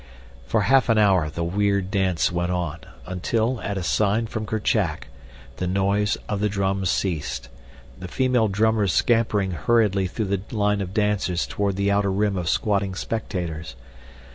For half an hour the weird dance went on, until, at a sign from Kerchak, the noise of the drums ceased, the female drummers scampering hurriedly through the line of dancers toward the outer rim of squatting spectators.